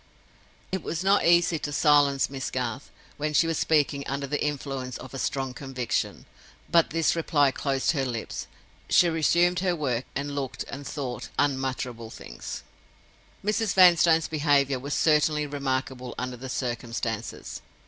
It was not easy to silence Miss Garth, when she was speaking under the influence of a strong conviction; but this reply closed her lips. She resumed her work, and looked, and thought, unutterable things. Mrs. Vanstone's behavior was certainly remarkable under the circumstances.